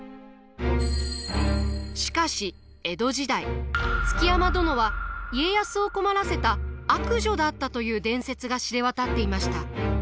しかし江戸時代築山殿は家康を困らせた悪女だったという伝説が知れ渡っていました。